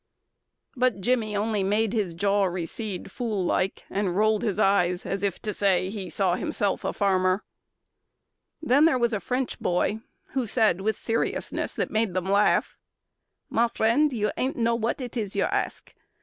But Jimmy only made his jaw recede Fool like, and rolled his eyes as if to say He saw himself a farmer. Then there was a French boy Who said with seriousness that made them laugh, "Ma friend, you ain't know what it is you're ask."